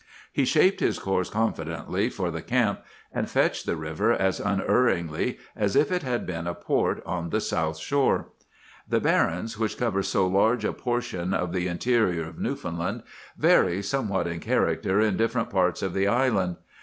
He shaped his course confidently for the camp, and 'fetched' the river as unerringly as if it had been a port on the South Shore. "The barrens, which cover so large a portion of the interior of Newfoundland, vary somewhat in character in different parts of the island.